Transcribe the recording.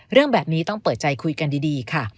เรื่องแบบนี้ต้องเปิดใจคุยกันดีค่ะ